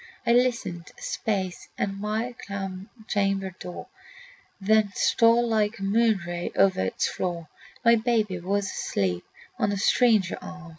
I listened a space at my chamber door, Then stole like a moon ray over its floor. My babe was asleep on a stranger arm.